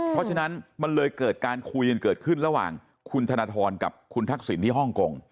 เพราะฉะนั้นมันเลยเกิดการคุยกันเกิดขึ้นระหว่างคุณธนทรกับคุณทักษิณที่ฮ่องกง